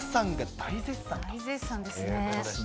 大絶賛ですね。